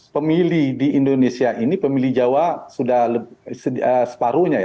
pemilih di indonesia ini pemilih jawa sudah separuhnya ya